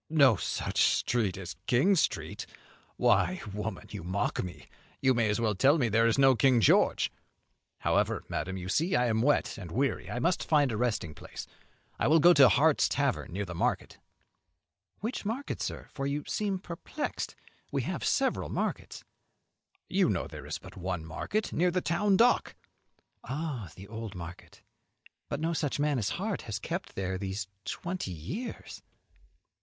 "No such street as King Street? Why, woman! you mock me. You may as well tell me there is no King George. However, madam, you see I am wet and weary. I must find a resting place. I will go to Hart's tavern, near the market." "Which market, sir? for you seem perplexed; we have several markets." "You know there is but one market, near the town dock." "Oh, the old market. But no such man as Hart has kept there these twenty years."